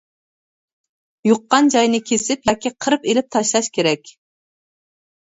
يۇققان جاينى كېسىپ ياكى قىرىپ ئېلىپ تاشلاش كېرەك.